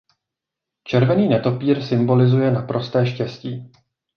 Červený netopýr symbolizuje naprosté štěstí.